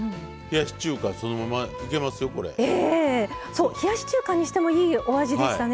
そう冷やし中華にしてもいいお味でしたね。